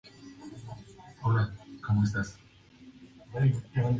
Un notable ejemplo es "Melancolía I".